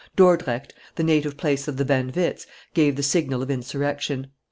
Dordrecht, the native place of the Van Witts, gave the signal of insurrection.